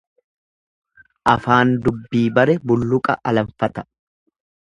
Afaan dubbii bare bulluqa alanfata.